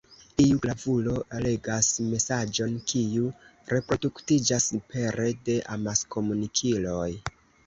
Iu gravulo legas mesaĝon, kiu reproduktiĝas pere de amaskomunikiloj.